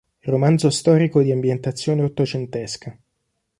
Romanzo storico di ambientazione ottocentesca.